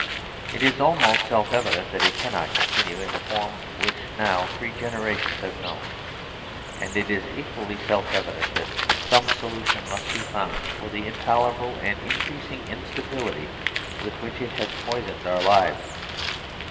It is almost self evident that it can not continue in the form which now three generations have known, and it is equally self evident that some solution must be found for the intolerable and in creasing instability with which it has poisoned our lives.